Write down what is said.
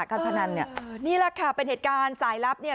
การพนันเนี่ยนี่แหละค่ะเป็นเหตุการณ์สายลับเนี่ย